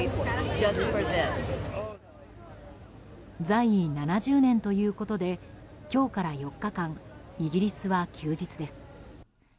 在位７０年ということで今日から４日間イギリスは休日です。